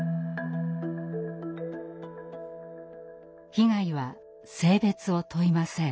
被害は性別を問いません。